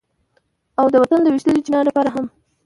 او د وطن د ويشتلي چينار لپاره هم